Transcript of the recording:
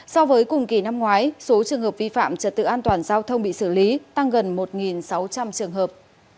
so với cùng kỳ năm ngoái số trường hợp vi phạm trật tự an toàn giao thông bị xử lý tăng gần một sáu trăm linh trường hợp